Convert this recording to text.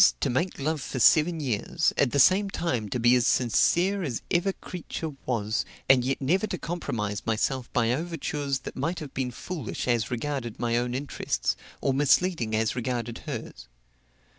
to make love for seven years, at the same time to be as sincere as ever creature was, and yet never to compromise myself by overtures that might have been foolish as regarded my own interests, or misleading as regarded hers.